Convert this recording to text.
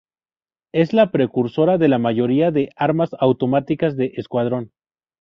Es la precursora de la mayoría de armas automáticas de escuadrón.